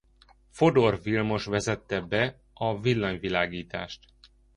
Fodor Vilmos vezette be a villanyvilágítást.